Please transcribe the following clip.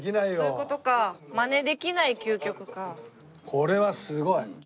これはすごい！